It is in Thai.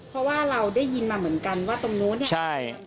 เพราะว่าเราได้ยินมาเหมือนกันว่าตรงโน้นจะลำตัว